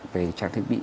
về trang thiết bị